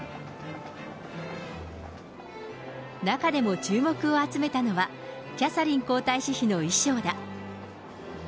中でも注目を集めたのは、キャサリン皇太子妃の衣装だ。